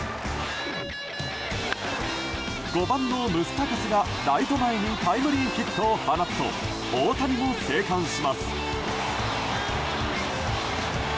５番のムスタカスがライト前にタイムリーヒットを放つと大谷も生還します。